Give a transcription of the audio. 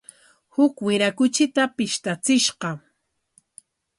Huk wira kuchita pishtachishqa.